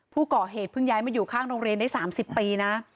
ผู้ก่อเหตุเพิ่งย้ายมาอยู่ข้างโรงเรียนได้๓๐ปีนะ